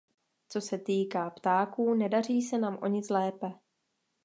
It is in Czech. Co se týká ptáků, nedaří se nám o nic lépe.